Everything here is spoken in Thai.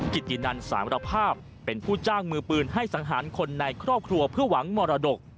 กิตินันสารภาพเป็นผู้จ้างมือปืนให้สังหารคนในครอบครัวเพื่อหวังมรดก